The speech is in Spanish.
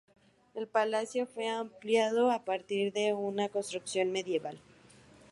El palacio fue ampliado a partir de una construcción medieval.